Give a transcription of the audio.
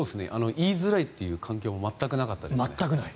言いづらいという環境は全くなかったですね。